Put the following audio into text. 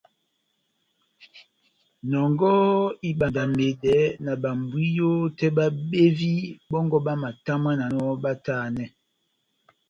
Nɔngɔhɔ ibandamedɛ na bámbwiyo tɛ́h bábevi bɔ́ngɔ bamatamwananɔ batanɛ.